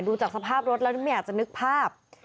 ดูจากสภาพรถแล้วไม่อยากจะนึกภาพ